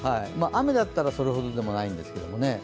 雨だったらそれほどでもないんですけどね。